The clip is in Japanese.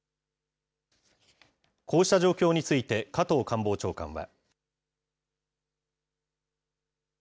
こうした状況について、加藤官房長官は。